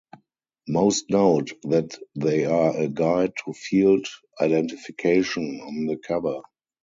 Most note that they are a "Guide to Field Identification" on the cover.